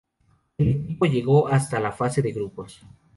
El equipo llegó hasta la fase de grupos.